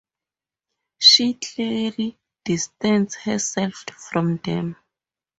She clearly distanced herself from them.